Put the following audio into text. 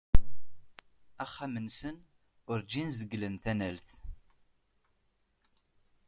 Axxam-nsen, urǧin zegglen tanalt.